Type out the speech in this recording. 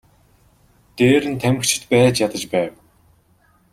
Дээр нь тамхичид байж ядаж байв.